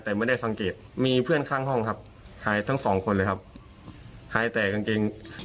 แต่ไม่ได้สังเกตมีเพื่อนข้างห้องครับหายทั้งสองคนเลยครับหายแต่กางเกง